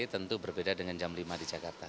tentu berbeda dengan jam lima di jakarta